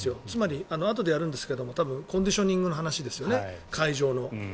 つまりあとでやるんですがコンディショニングの話ですよね会場の。